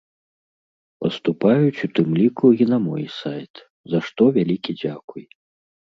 Паступаюць у тым ліку і на мой сайт, за што вялікі дзякуй!